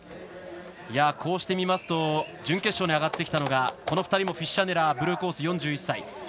こうしてみますと準決勝に上がってきたのがこの２人もフィッシャネラーブルーコース４１歳。